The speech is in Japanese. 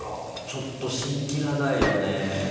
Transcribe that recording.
ちょっと信じがたいよねでも。